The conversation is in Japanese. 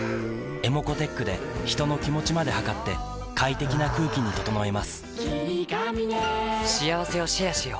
ｅｍｏｃｏーｔｅｃｈで人の気持ちまで測って快適な空気に整えます